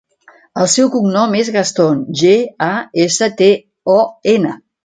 El seu cognom és Gaston: ge, a, essa, te, o, ena.